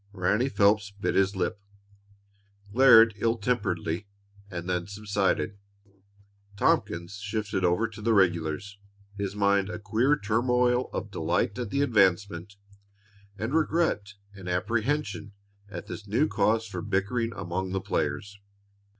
Ranny Phelps bit his lip, glared ill temperedly, and then subsided. Tompkins shifted over to the regulars, his mind a queer turmoil of delight at the advancement, and regret and apprehension at this new cause for bickering among the players.